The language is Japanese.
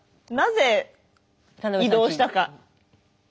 なぜ移動したか。